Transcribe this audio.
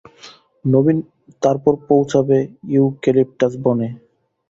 তারপর পৌছাবে ইউক্যালিপটাস বনে।